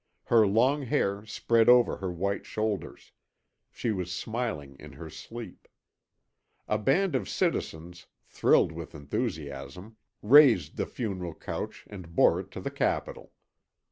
Her long hair spread over her white shoulders, she was smiling in her sleep. A band of citizens, thrilled with enthusiasm, raised the funeral couch and bore it to the Capitol.